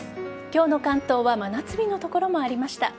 今日の関東は真夏日の所がありました。